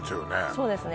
そうですね